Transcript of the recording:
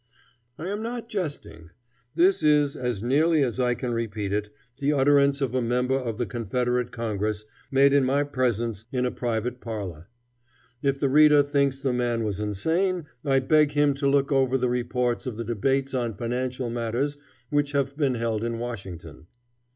I am not jesting. This is, as nearly as I can repeat it, the utterance of a member of the Confederate Congress made in my presence in a private parlor. If the reader thinks the man was insane, I beg him to look over the reports of the debates on financial matters which have been held in Washington.